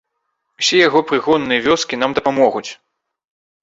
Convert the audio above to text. Усе яго прыгонныя вёскі нам дапамогуць!